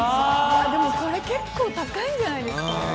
でもこれ、結構高いんじゃないですか？